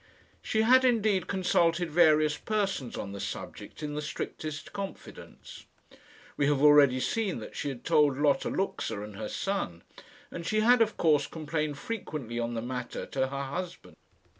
She had, indeed, consulted various persons on the subject in the strictest confidence. We have already seen that she had told Lotta Luxa and her son, and she had, of course, complained frequently on the matter to her husband.